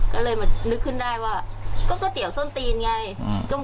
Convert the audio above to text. ก็เลยมานึกขึ้นได้ว่าก็ก๋วยเตี๋ยวส้นตีนไง